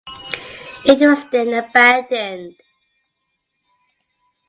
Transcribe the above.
It was then abandoned.